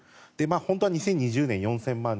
本当は２０２０年４０００万人